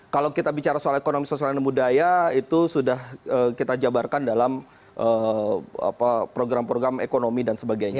kalau kita bicara soal ekonomi sosial dan budaya itu sudah kita jabarkan dalam program program ekonomi dan sebagainya